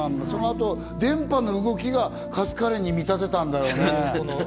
そのあと電波の動きがカツカレーに見立てたんだろうね。